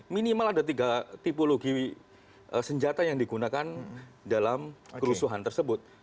minimal ada tiga tipologi senjata yang digunakan dalam kerusuhan tersebut